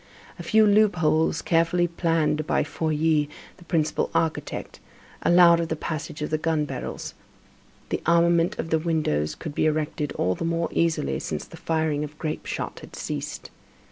A few loop holes carefully planned by Feuilly, the principal architect, allowed of the passage of the gun barrels. This armament of the windows could be effected all the more easily since the firing of grape shot had ceased.